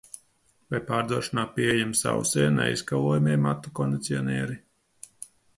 Vai pārdošanā pieejami sausie, neizskalojamie matu kondicionieri?